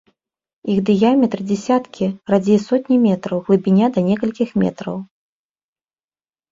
Іх дыяметр дзесяткі, радзей сотні метраў, глыбіня да некалькіх метраў.